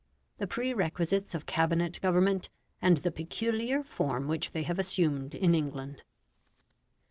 THE PREREQUISITES OF CABINET GOVERNMENT, AND THE PECULIAR FORM WHICH THEY HAVE ASSUMED IN ENGLAND.